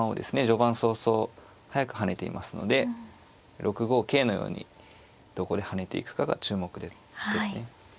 序盤早々早く跳ねていますので６五桂のようにどこで跳ねていくかが注目ですね。